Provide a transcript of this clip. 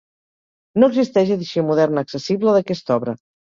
No existeix edició moderna accessible d'aquesta obra.